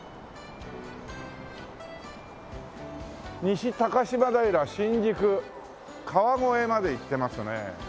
「西高島平」「新宿」「川越」まで行ってますね。